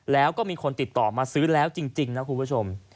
แล้วก็มีคนติดต่อมาซื้อแล้วจริงนะคุณผู้ชม